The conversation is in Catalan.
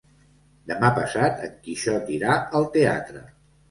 Demà passat en Quixot irà al teatre.